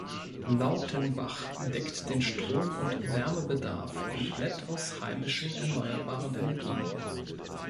Lautenbach deckt den Strom- und Wärmebedarf komplett aus heimischen erneuerbaren Energien.